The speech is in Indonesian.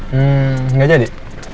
hmm gak jadi